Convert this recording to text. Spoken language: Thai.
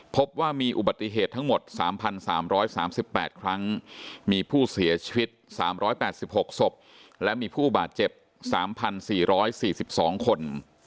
พบว่ามีอุบัติเหตุทั้งหมด๓๓๘ครั้งมีผู้เสียชีวิต๓๘๖ศพและมีผู้บาดเจ็บ๓๔๔๒คน